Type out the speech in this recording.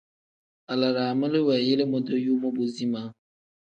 Alaraami li weeyele modoyuu mobo zimaa.